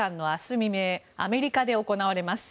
未明アメリカで行われます。